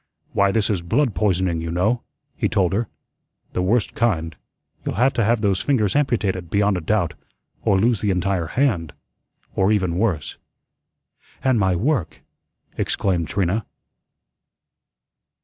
"Why, this is blood poisoning, you know," he told her; "the worst kind. You'll have to have those fingers amputated, beyond a doubt, or lose the entire hand or even worse." "And my work!" exclaimed Trina.